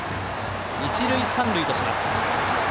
一塁三塁とします。